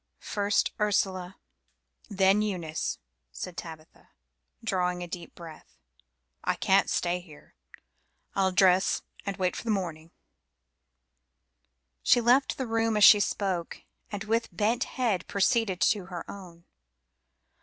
"First Ursula, then Eunice," said Tabitha, drawing a deep breath. "I can't stay here. I'll dress and wait for the morning." She left the room as she spoke, and with bent head proceeded to her own.